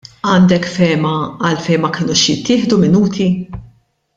Għandek fehma għalfejn ma kenux jittieħdu Minuti?